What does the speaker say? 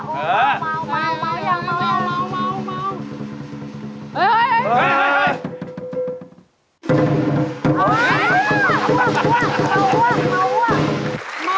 เฮ้ยเฮ้ย